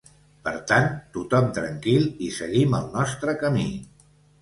Per tant, tothom tranquil i seguim el nostre camí.